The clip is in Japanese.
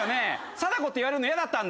貞子って言われるの嫌だったんだ。